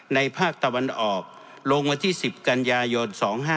ภาคตะวันออกลงวันที่๑๐กันยายน๒๕๖